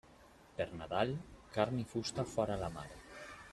Per Nadal, carn i fusta fora la mar.